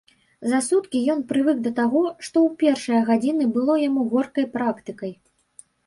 За суткі ён прывык да таго, што ў першыя гадзіны было яму горкай практыкай.